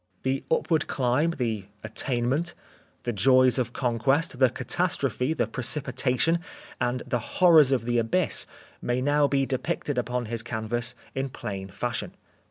The upward climb, the attain ment, the joys of conquest, the catastrophe, the precipitation, and the horrors of the abyss may now be depicted upon his canvas in plain fashion.